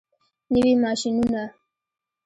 نوي ماشینونه.